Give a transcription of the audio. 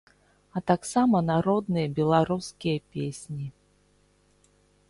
А таксама народныя беларускія песні.